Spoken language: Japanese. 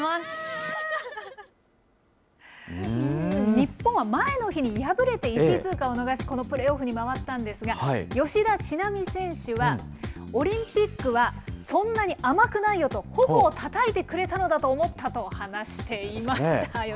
日本は前の日に敗れて１位通過を逃し、このプレーオフに回ったんですが、吉田知那美選手は、オリンピックはそんなに甘くないよと、ほほをたたいてくれたんだと話していました。